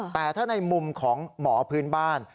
แต่ถ้าในมุมของหมอพื้นบ้าน